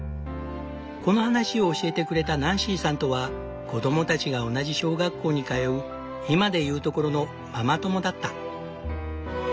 この話を教えてくれたナンシーさんとは子供たちが同じ小学校に通う今で言うところのママ友だった。